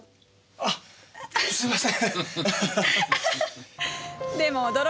あっすいません